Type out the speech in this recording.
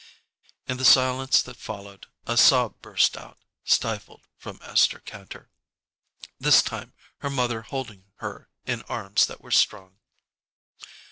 In the silence that followed, a sob burst out, stifled, from Esther Kantor, this time her mother holding her in arms that were strong.